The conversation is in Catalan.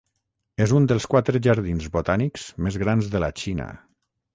És un dels quatre jardins botànics més grans de la Xina.